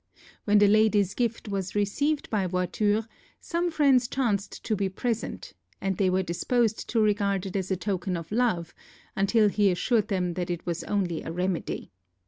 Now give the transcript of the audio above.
When the lady's gift was received by Voiture, some friends chanced to be present, and they were disposed to regard it as a token of love until he assured them that it was only a remedy.